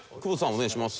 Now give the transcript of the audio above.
お願いします。